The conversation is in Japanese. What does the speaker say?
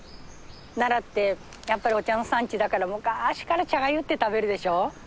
奈良ってやっぱりお茶の産地だからむかしから茶がゆって食べるでしょ？